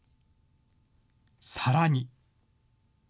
さらに。